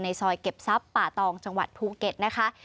ซอยเก็บทรัพย์ป่าตองจังหวัดภูเก็ตนะคะ